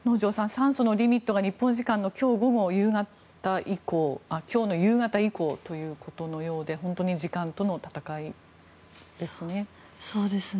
酸素のリミットが日本時間の今日夕方以降ということのようで本当に時間との闘いですね。